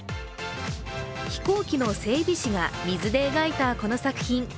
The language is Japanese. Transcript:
飛行機の整備士が水で描いたこの作品。